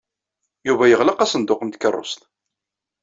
Yuba yeɣleq asenduq n tkeṛṛust.